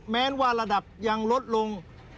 แม้ว่าระดับยังลดลง